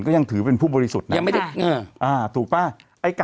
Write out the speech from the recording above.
ก็ยังถือเป็นผู้บริสุทธิ์ถูกป่ะ